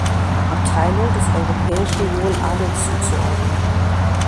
Abteilung des Europäischen Hohen Adels zuzuordnen.